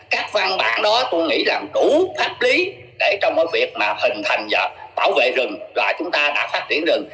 các văn bản đó tôi nghĩ là đủ pháp lý để trong việc hình thành và bảo vệ rừng là chúng ta đã phát triển rừng